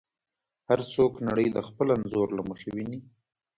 هر څوک نړۍ د خپل انځور له مخې ویني.